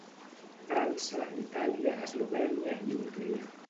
França, Itàlia, Eslovènia i Hongria.